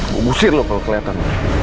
gue busir lo kalau keliatan